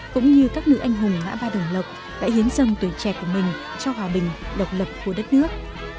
cũng như các nữ anh hùng ngã ba đồng lộc đã hiến dâng tuổi trẻ của mình cho hòa bình độc lập của đất nước